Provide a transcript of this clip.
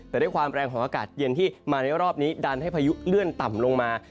แต่ด้วยความแรงของอากาศเย็นที่มาในรอบนี้ดันให้พายุเลื่อนต่ำลงมา